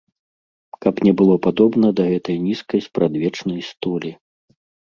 Каб не было падобна да гэтай нізкай спрадвечнай столі.